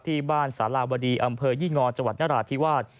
ที่บ้านสาราวดีอำเภอยี่งอจังหวัดนราธิวาส